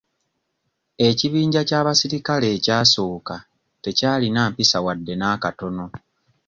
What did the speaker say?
Ekibinja ky'abasirikale ekyasooka tekyalina mpisa wadde n'akatono.